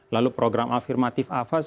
lalu program afirmatif apa sih